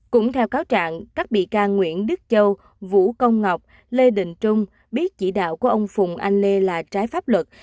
cũng theo cáo trạng các bị can nguyễn đức châu vũ công ngọc lê đình trung biết chỉ đạo của ông phùng anh lê là trái pháp luật